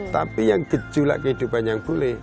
tapi yang gejolak kehidupan yang boleh